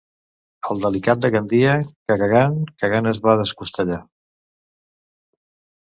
El delicat de Gandia, que cagant, cagant es va descostellar.